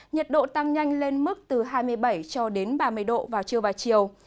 nhiệt độ tăng nhanh lên mức từ hai mươi bảy cho đến ba mươi độ vào trưa và chiều